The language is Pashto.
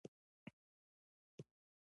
یو ډول سزا د قتل او غلا لپاره ورکول کېدله.